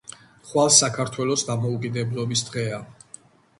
ხვალ საქარათველოს დამოუკიდებლობის დღეა